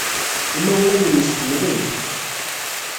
Imawlan-nnes ḥemmlen-k.